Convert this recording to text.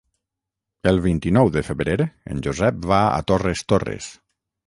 El vint-i-nou de febrer en Josep va a Torres Torres.